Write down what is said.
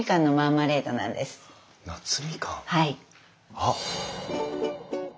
あっ！